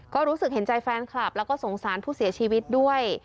ก็รู้สึกเห็นใจแฟนคลับแล้วก็สงสารผู้เสียชีวิตด้วย